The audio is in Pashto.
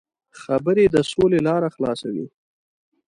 خبرې د سولې لاره خلاصوي.